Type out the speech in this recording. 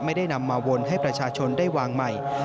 ไม่ได้นำมาวนให้ประชาชนได้วางใหม่